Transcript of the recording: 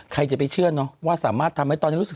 ใครจะไปเชื่อนว่าสามารถทำให้ตอนนี้